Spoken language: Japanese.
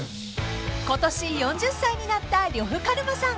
［今年４０歳になった呂布カルマさん］